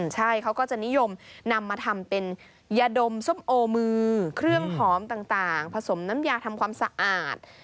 ใช่เขาก็จะนิยมนำมาทำเป็นยาดมส้มโอมือเครื่องหอมต่างผสมน้ำยาทำความสะอาด